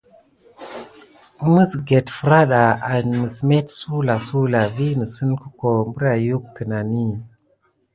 Məsget fraɗa en məs met suwlasuwla vi nisikeho berayuck kenani.